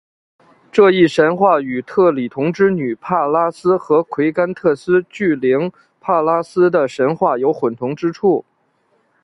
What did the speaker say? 这一神话与特里同之女帕拉斯和癸干忒斯巨灵帕拉斯的神话有混同之处。